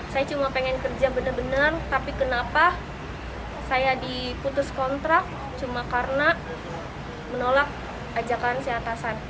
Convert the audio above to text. saya cuma pengen kerja benar benar tapi kenapa saya diputus kontrak cuma karena menolak ajakan si atasan